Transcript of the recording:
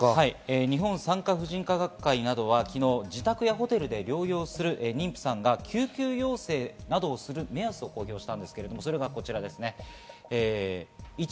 日本産科婦人科学会は昨日、自宅やホテルで療養する妊婦さんが救急要請などをする目安を公表しました。